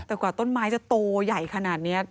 แต่กว่าต้นไม้จะโตใหญ่ขนาดนี้